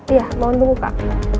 iya mau nunggu kak